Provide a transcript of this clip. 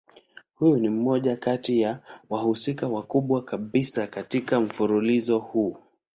Huyu ni mmoja kati ya wahusika wakubwa kabisa katika mfululizo huu.